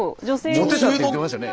モテたって言ってましたね。